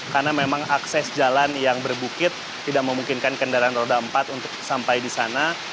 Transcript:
karena memang akses jalan yang berbukit tidak memungkinkan kendaraan roda empat untuk sampai di sana